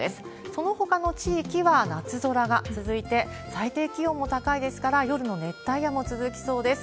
そのほかの地域は夏空が続いて、最低気温も高いですから、夜の熱帯夜も続きそうです。